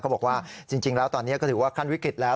บอกว่าจริงแล้วตอนนี้ก็ถือว่าขั้นวิกฤตแล้ว